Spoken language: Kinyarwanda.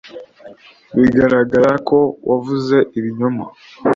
biragaragara ko wavuze ibinyoma